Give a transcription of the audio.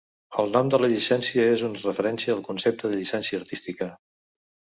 El nom de la llicència és una referència al concepte de llicència artística.